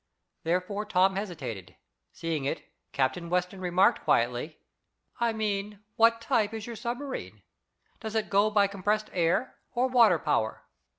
Therefore Tom hesitated. Seeing it, Captain Weston remarked quietly: "I mean, what type is your submarine? Does it go by compressed air, or water power?"